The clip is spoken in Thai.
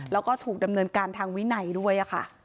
แล้วก็ถูกดำเนินการทางวินัยด้วยค่ะ